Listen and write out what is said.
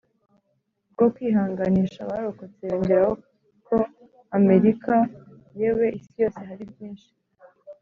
Bwo kwihanganisha abarokotse yongeraho ko america yewe isi yose hari byinshi